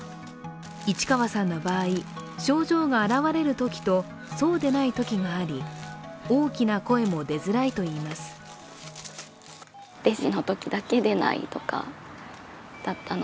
市川さんの場合、症状が現れるときとそうでないときがあり、大きな声も出づらいといいます。